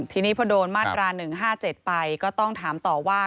ทีนี้พอโดนมาตรา๑๕๗ไปก็ต้องถามต่อว่า